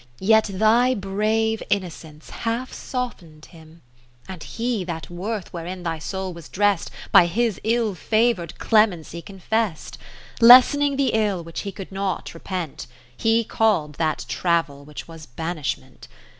Yet thy brave innocence half soft'n'd him ; And he that worth wherein thy soul was drest. By his ill favour'd clemency confest; Lessening the ill which he could not repent. He call'd that travel which was banishment.